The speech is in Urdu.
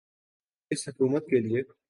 اس حکومت کیلئے۔